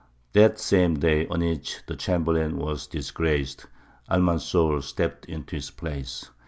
That same day on which the chamberlain was disgraced, Almanzor stepped into his place.